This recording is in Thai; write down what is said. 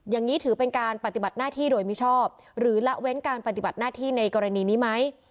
อย่างนี้ถือเป็นการปฏิบัติหน้าที่โดยมิชอบหรือละเว้นการปฏิบัติหน้าที่ในกรณีนี้ไหม